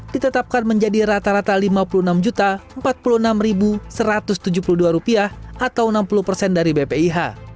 ditetapkan menjadi rata rata lima puluh enam empat puluh enam satu ratus tujuh puluh dua atau enam puluh persen dari bpih